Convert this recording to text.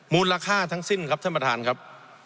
มูลค่าทั้งสิ้นครับท่านประธานครับ